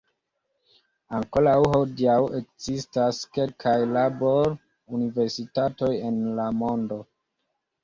Ankoraŭ hodiaŭ ekzistas kelkaj labor-universitatoj en la mondo.